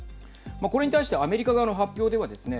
これに対してアメリカ側の発表ではですね